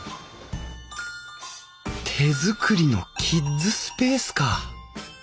手作りのキッズスペースか。